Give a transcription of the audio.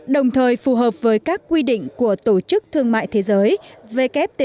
đồng thời phù hợp với các quy định của tổ chức thương mại thế giới